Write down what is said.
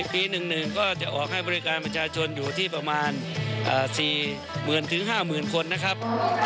ปี๑๑ก็จะออกให้บริการประชาชนอยู่ที่ประมาณ๔๐๐๐๕๐๐คนนะครับ